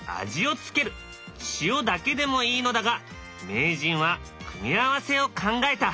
塩だけでもいいのだが名人は組み合わせを考えた。